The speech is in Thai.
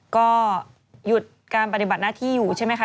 ก็หยุดการปฏิบัติหน้าที่อยู่ใช่ไหมคะ